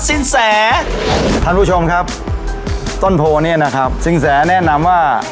สินแสท่านผู้ชมครับต้นโพเนี่ยนะครับสินแสแนะนำว่า